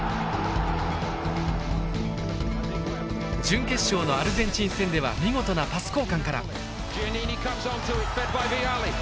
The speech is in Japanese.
準決勝のアルゼンチン戦では見事なパス交換から。